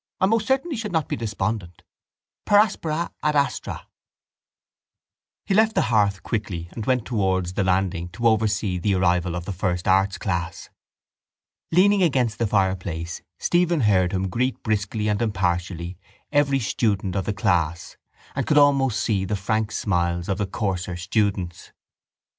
I most certainly should not be despondent. Per aspera ad astra. He left the hearth quickly and went towards the landing to oversee the arrival of the first arts' class. Leaning against the fireplace Stephen heard him greet briskly and impartially every student of the class and could almost see the frank smiles of the coarser students.